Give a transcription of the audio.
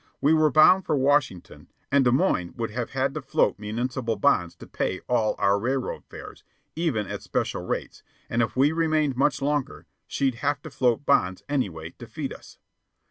We were bound for Washington, and Des Moines would have had to float municipal bonds to pay all our railroad fares, even at special rates, and if we remained much longer, she'd have to float bonds anyway to feed us.